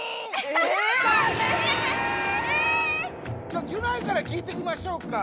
じゃあギュナイから聞いていきましょうか。